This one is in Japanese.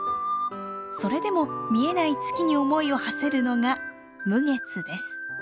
それでも見えない月に思いをはせるのが無月です。